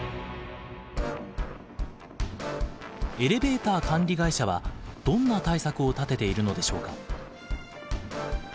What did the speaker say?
エレベーター管理会社はどんな対策を立てているのでしょうか。